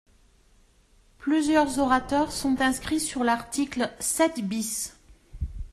Plusieurs orateurs sont inscrits sur l’article sept bis.